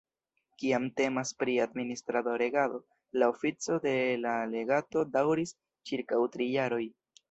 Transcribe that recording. Kiam temas pri administrado-regado, la ofico de la legato daŭris ĉirkaŭ tri jaroj.